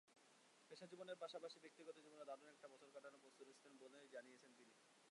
পেশাজীবনের পাশাপাশি ব্যক্তিজীবনেও দারুণ একটি বছর কাটানোর প্রস্তুতি নিচ্ছেন বলেই জানিয়েছেন তিনি।